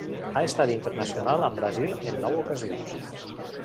Ha estat internacional amb Brasil en nou ocasions.